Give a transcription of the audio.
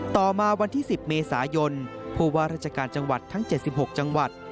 ต่อมาวันที่๑๐เมษายนผู้ว่าราชการจังหวัดทั้ง๗๖จังหวัด